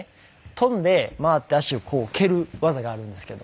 跳んで回って足をこう蹴る技があるんですけど。